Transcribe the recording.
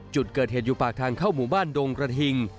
จุดเกิดเหตุอยู่ปากทางเข้าหมู่บ้านดงกระทิง